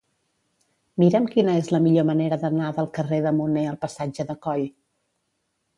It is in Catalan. Mira'm quina és la millor manera d'anar del carrer de Munné al passatge de Coll.